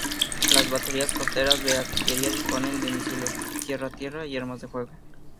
Las baterías costeras de artillería disponían de misiles tierra-tierra y armas de fuego.